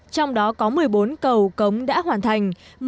trong đó có một mươi bốn cầu cống đã hoàn thành